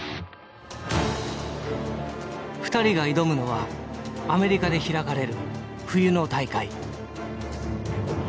２人が挑むのはアメリカで開かれる冬の大会。